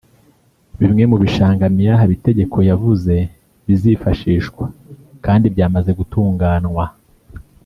Bimwe mubishanga Meya Habitegeko yavuze bizifashishwa kandi byamaze gutunganwa